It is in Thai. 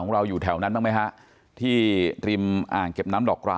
ของเราอยู่แถวนั้นบ้างไหมฮะที่ทรีมอ่าเก็บน้ำหลอก